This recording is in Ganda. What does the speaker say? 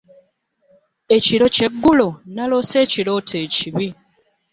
Ekiro ky'eggulo, nnaloose ekirooto ekibi